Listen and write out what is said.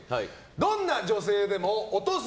どんな女性でもオトす